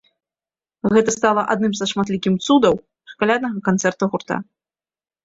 Гэта стала адным са шматлікіх цудаў каляднага канцэрта гурта.